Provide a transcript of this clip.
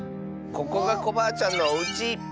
ここがコバアちゃんのおうち！